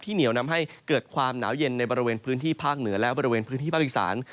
เหนียวนำให้เกิดความหนาวเย็นในบริเวณพื้นที่ภาคเหนือและบริเวณพื้นที่ภาคอีสาน